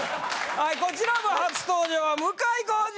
はいこちらも初登場は向井康二。